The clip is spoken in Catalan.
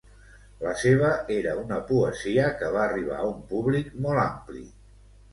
La seva era una poesia que va arribar a un públic molt ampli.